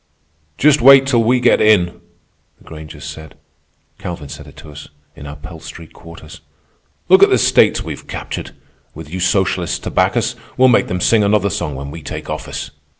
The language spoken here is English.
"Just wait till we get in," the Grangers said—Calvin said it to us in our Pell Street quarters. "Look at the states we've captured. With you socialists to back us, we'll make them sing another song when we take office."